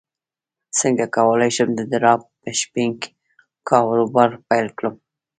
څنګه کولی شم د ډراپ شپینګ کاروبار پیل کړم